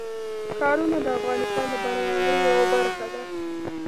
ښارونه د افغانستان د بڼوالۍ یوه برخه ده.